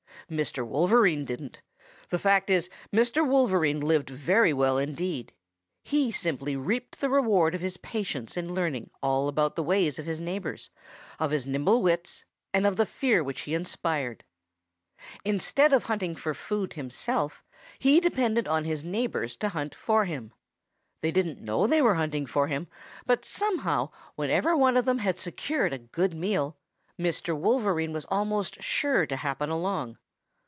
Mr. Wolverine didn't. The fact is, Mr. Wolverine lived very well indeed. He simply reaped the reward of his patience in learning all about the ways of his neighbors, of his nimble wits and of the fear which he inspired. Instead of hunting for food himself, he depended on his neighbors to hunt for him. They didn't know they were hunting for him, but somehow whenever one of them had secured a good meal, Mr. Wolverine was almost sure to happen along.